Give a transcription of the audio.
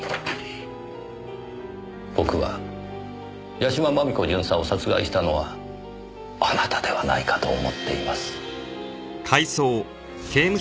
僕は屋島真美子巡査を殺害したのはあなたではないかと思っています。